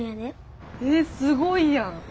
えすごいやん。